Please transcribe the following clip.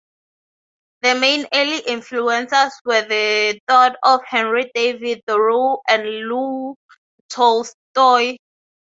The main early influences were the thought of Henry David Thoreau and Leo Tolstoy.